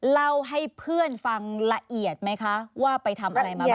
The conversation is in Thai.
เล่าให้เพื่อนฟังละเอียดไหมคะว่าไปทำอะไรมาบ้าง